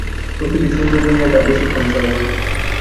প্রকৃতির সৌন্দর্য নিয়ে তার বেশিক্ষণ চলে না।